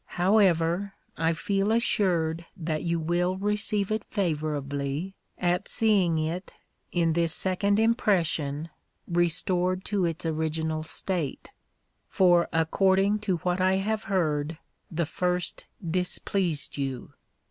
However, I feel assured that you will receive it favourably, at seeing it, in this second impression, restored to its original state, for according to what I have heard the first displeased you.